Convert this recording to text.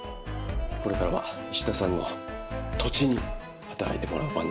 これからは石田さんの土地に働いてもらう番です。